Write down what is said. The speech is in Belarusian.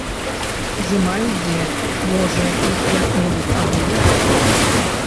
Зіма ідзе, можа, іх як-небудзь абуюць.